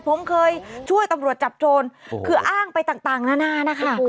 ผมเคยช่วยตำรวจจับโจรคืออ้างไปต่างนานานะคะ